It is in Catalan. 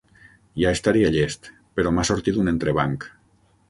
Ja estaria llest; però m'ha sortit un entrebanc.